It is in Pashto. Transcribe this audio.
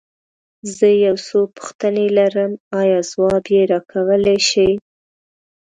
زه يو څو پوښتنې لرم، ايا ځواب يې راکولی شې؟